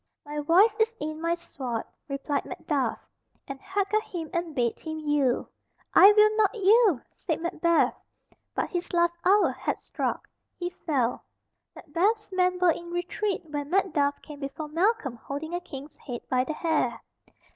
"My voice is in my sword," replied Macduff, and hacked at him and bade him yield. "I will not yield!" said Macbeth, but his last hour had struck. He fell. Macbeth's men were in retreat when Macduff came before Malcolm holding a King's head by the hair.